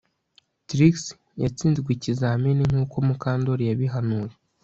Trix yatsinzwe ikizamini nkuko Mukandoli yabihanuye